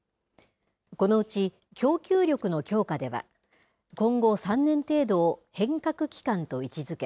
このうち供給力の強化では、今後３年程度を変革期間と位置づけ、